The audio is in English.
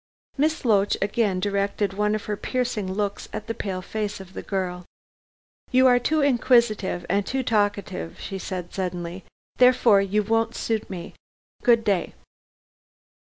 Miss Loach again directed one of her piercing looks at the pale face of the girl. "You are too inquisitive and too talkative," she said suddenly, "therefore you won't suit me. Good day."